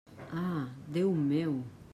Ah, Déu meu!